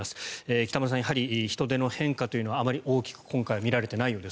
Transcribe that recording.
北村さん、やはり人出の変化はあまり大きく見られていないようです。